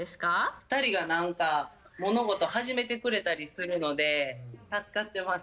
２人がなんか、物事始めてくれたりするので、助かってます。